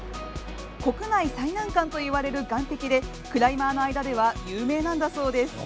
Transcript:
国内最難関といわれる岩壁でクライマーの間では有名なんだそうです。